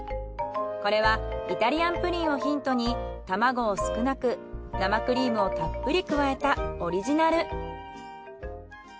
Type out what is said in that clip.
これはイタリアンプリンをヒントに卵を少なく生クリームをたっぷり加えたオリジナル。